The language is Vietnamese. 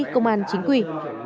công an chính quy